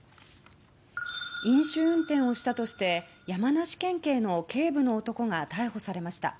飲酒運転をしたとして山梨県警の警部の男が逮捕されました。